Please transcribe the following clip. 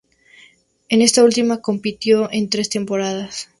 En esta última, compitió en tres temporadas.